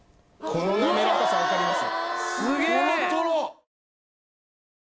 このなめらかさわかります？